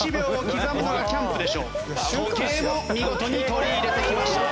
時計も見事に取り入れてきました。